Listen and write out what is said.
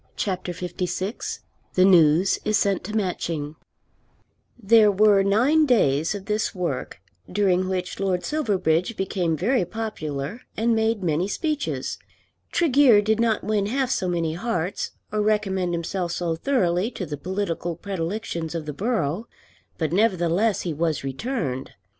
CHAPTER LVI The News Is Sent to Matching There were nine days of this work, during which Lord Silverbridge became very popular and made many speeches. Tregear did not win half so many hearts, or recommend himself so thoroughly to the political predilections of the borough; but nevertheless he was returned.